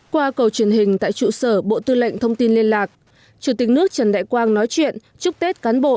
qua cầu truyền hình tại trụ sở bộ tư lệnh thông tin liên lạc chủ tịch nước trần đại quang nói chuyện chúc tết cán bộ